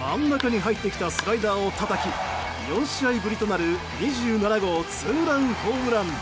真ん中に入ってきたスライダーをたたき４試合ぶりとなる２７号ツーランホームラン。